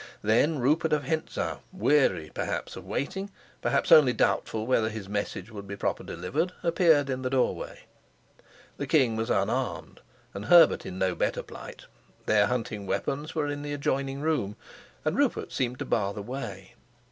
Then Rupert of Hentzau, weary perhaps of waiting, perhaps only doubtful whether his message would be properly delivered, appeared in the doorway. The king was unarmed, and Herbert in no better plight; their hunting weapons were in the adjoining room, and Rupert seemed to bar the way.